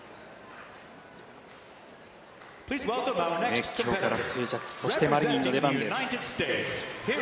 熱狂から静寂そしてマリニンの出番です。